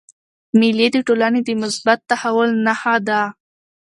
مېلې د ټولني د مثبت تحول نخښه ده.